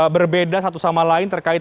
berbeda satu sama lain terkait